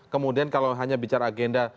kemudian kalau hanya bicara agenda